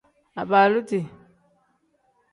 Abaaluti.